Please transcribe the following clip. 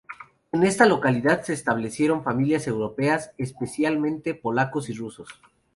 En esta localidad se establecieron familias europeas, especialmente polacos y rusos.